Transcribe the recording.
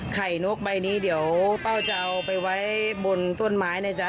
นกใบนี้เดี๋ยวเป้าจะเอาไปไว้บนต้นไม้นะจ๊ะ